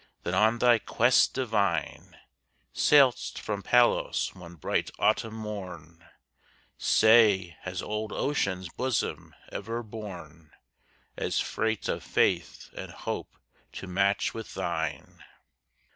that on thy quest divine Sailedst from Palos one bright autumn morn, Say, has old Ocean's bosom ever borne A freight of faith and hope to match with thine?